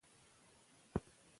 لوبې به زده کړه پیاوړې کړي.